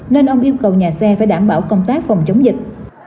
nên ông yêu cầu nhà xe phải đảm bảo công tác phòng chống dịch